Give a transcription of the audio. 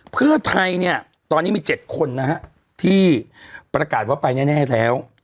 เพื่อไทยเนี่ยตอนนี้มี๗คนนะฮะที่ประกาศว่าไปแน่แล้ว